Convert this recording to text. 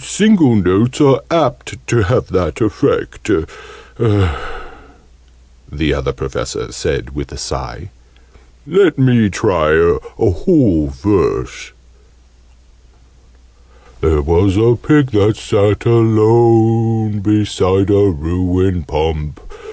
"Single notes are apt to have that effect," the Other Professor said with a sigh. "Let me try a whole verse, There was a Pig, that sat alone, Beside a ruined Pump.